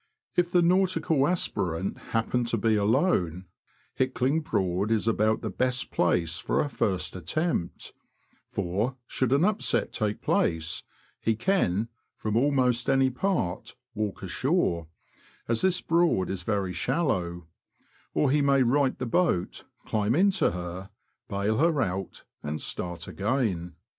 If the nautical aspirant happen to be alone, Hickling Broad is about the best place for a first attempt, for, should an upset take place, he can, from almost any part, walk ashore, as this Broad is very shallow ; or he may right the boat, climb into her, bale her out, and start again.